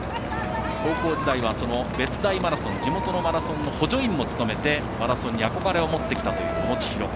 高校時代は、別大マラソン地元のマラソンの補助員も務めてマラソンに憧れを持ってきたという小野知大。